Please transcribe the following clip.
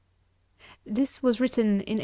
[This was written in 1821.